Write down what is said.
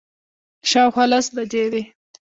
شاوخوا لس بجې وې.